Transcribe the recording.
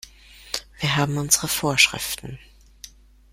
Wir haben unsere Vorschriften.